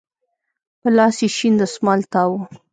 په لاس يې شين دسمال تاو و.